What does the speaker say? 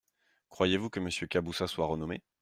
Croyez-vous que Monsieur Caboussat soit renommé ?